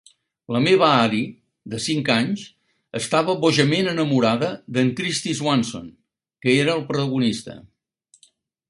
La meva Ari, de cinc anys, estava bojament enamorada d'en Kristy Swanson, que era el protagonista.